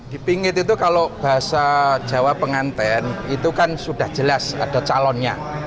dipingit itu kalau bahasa jawa penganten itu kan sudah jelas ada calonnya